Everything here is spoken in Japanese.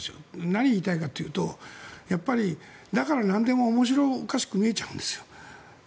何が言いたいかというとやっぱり何でも面白おかしく見えちゃうんですよ。